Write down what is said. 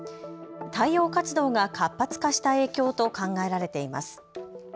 太陽活動が活発化した影響と考えられています。